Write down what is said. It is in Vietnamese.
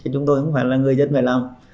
chúng tôi không phải là người dân phải làm